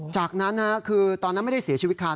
จากนั้นคือตอนนั้นไม่ได้เสียชีวิตค่ะ